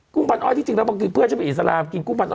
กุ้งพันอ้อยที่จึงเราบอกกินเพื่อนใช่ไหมอินสาลามกินกุ้งพันอ้อย